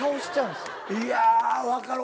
いや分かる。